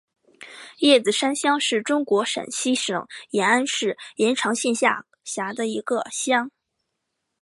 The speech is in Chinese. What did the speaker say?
罗子山乡是中国陕西省延安市延长县下辖的一个乡。